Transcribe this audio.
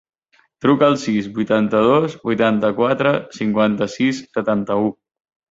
Truca al sis, vuitanta-dos, vuitanta-quatre, cinquanta-sis, setanta-u.